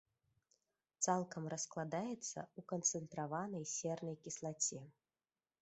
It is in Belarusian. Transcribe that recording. Цалкам раскладаецца ў канцэнтраванай сернай кіслаце.